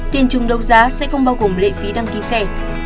tiền chung đấu giá sẽ không bao gồm lệ phí đăng ký xe